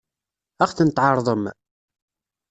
Ad ɣ-tent-tɛeṛḍem?